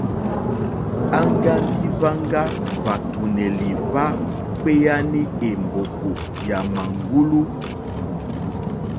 Aŋga ndi hwaŋga hwàtùnèlì hwa kpeyani è mbòkò yà màŋgulu.